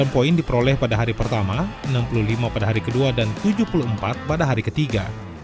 enam poin diperoleh pada hari pertama enam puluh lima pada hari kedua dan tujuh puluh empat pada hari ketiga